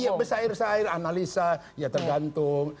ya pesair sair analisa ya tergantung